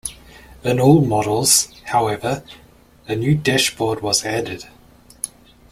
In all models, however, a new dashboard was added.